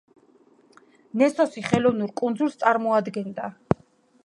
ნესოსი ხელოვნურ კუნძულს წარმოადგენდა.